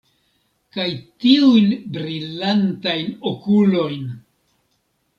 Kaj tiujn brilantajn okulojn!